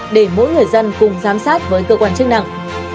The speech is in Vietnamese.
để mỗi người dân cùng giám sát với cơ quan chức năng